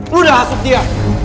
lo udah hasuk dia